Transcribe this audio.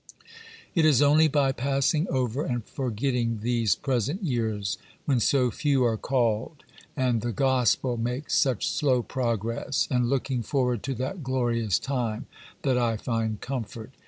It is only by passing over and forgetting these present years, when so few are called, and the gospel makes such slow progress, and looking forward to that glorious time that I find comfort.